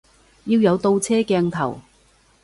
要有倒車鏡頭